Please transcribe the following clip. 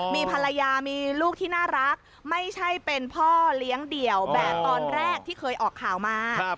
มีภรรยามีลูกที่น่ารักไม่ใช่เป็นพ่อเลี้ยงเดี่ยวแบบตอนแรกที่เคยออกข่าวมา